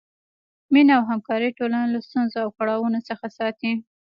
مینه او همکاري ټولنه له ستونزو او کړاوونو څخه ساتي.